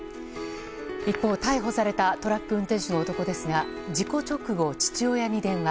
一方、逮捕されたトラック運転手の男ですが事故直後、父親に電話。